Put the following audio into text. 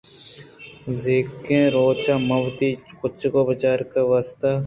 زیکیں روچ ءَ من وتی چُکّ ءِ پجّارگ ءِ واست ءَ